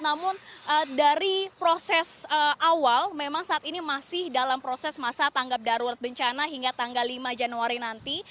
namun dari proses awal memang saat ini masih dalam proses masa tanggap darurat bencana hingga tanggal lima januari nanti